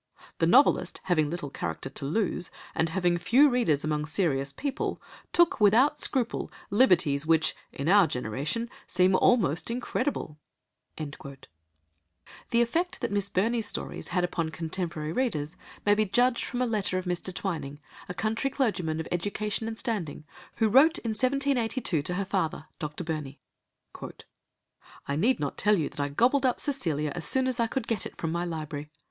The novelist, having little character to lose, and having few readers among serious people, took, without scruple, liberties which, in our generation, seem almost incredible." The effect that Miss Burney's stories had upon contemporary readers may be judged from a letter of Mr. Twining, a country clergyman of education and standing, who wrote in 1782 to her father, Dr. Burney: "I need not tell you that I gobbled up Cecilia as soon as I could get it from my library.